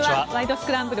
スクランブル」